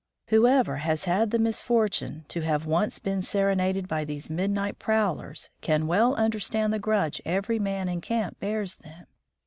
Whoever has had the misfortune to have once been serenaded by these midnight prowlers can well understand the grudge every man in camp bears them.